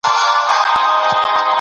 کارپوهانو به رسمي غونډي سمبالولې.